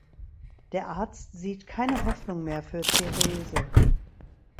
Der Arzt sieht keine Hoffnung mehr für Therese.